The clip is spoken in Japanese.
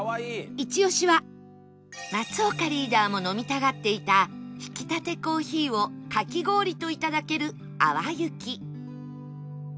イチオシは松岡リーダーも飲みたがっていた挽きたてコーヒーをかき氷といただける淡雪